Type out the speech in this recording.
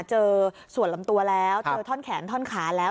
เจอส่วนลำตัวแล้วเจอท่อนแขนท่อนขาแล้ว